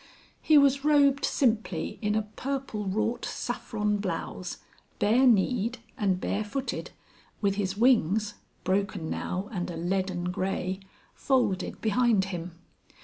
He was robed simply in a purple wrought saffron blouse, bare kneed and bare footed, with his wings (broken now, and a leaden grey) folded behind him.